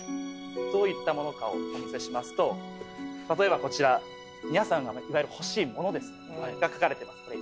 どういったものかをお見せしますと例えばこちら皆さんがいわゆる欲しいものですねが書かれてます。